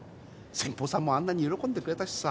先方さんもあんなに喜んでくれたしさ。